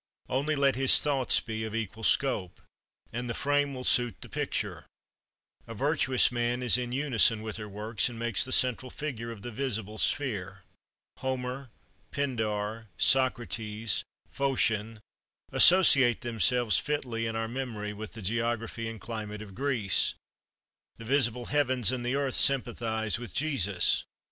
Only let his thoughts be of equal scope, and the frame will suit the picture. A virtuous man is in unison with her works, and makes the central figure of the visible sphere. Homer, Pindar, Socrates, Phocion, associate themselves fitly in our memory with the geography and climate of Greece. The visible heavens and the earth sympathize with Jesus.